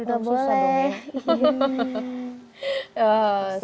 udah susah dong ya